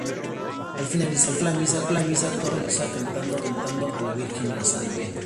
Al finalizar la misa, todo el pueblo reza, cantando, a la virgen La Salve.